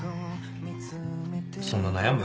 そんな悩む？